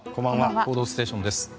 「報道ステーション」です。